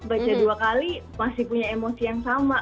baca dua kali masih punya emosi yang sama